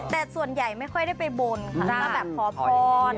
แต่ส่วนใหญ่ไม่ค่อยได้ไปบนค่ะมาแบบขอพร